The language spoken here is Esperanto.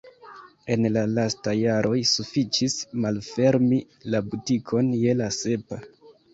En la lastaj jaroj sufiĉis malfermi la butikon je la sepa.